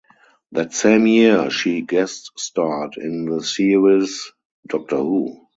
That same year she guest starred in the series "Doctor Who".